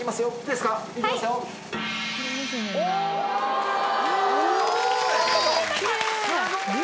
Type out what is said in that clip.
すごい！